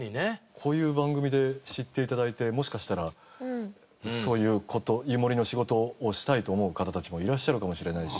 こういう番組で知って頂いてもしかしたらそういう事湯守の仕事をしたいと思う方たちもいらっしゃるかもしれないし。